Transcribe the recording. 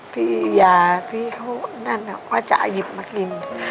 พี่ยาพี่เขานั่นว่าจะเอาหยิบมากิน